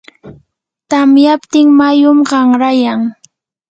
tamyaptin mayum qanrayan.